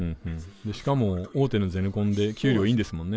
しかも大手のゼネコンで給料いいんですもんね。